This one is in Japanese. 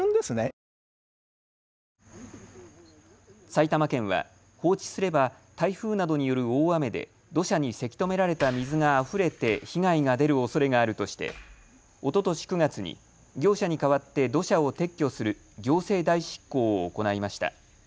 埼玉県は放置すれば台風などによる大雨で土砂にせき止められた水があふれて被害が出るおそれがあるとしておととし９月に業者に代わって土砂を撤去する行政代執行を行いました。